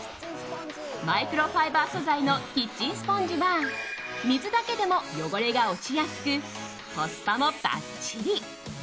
マイクロファイバー素材のキッチンスポンジは水だけでも汚れが落ちやすくコスパもばっちり。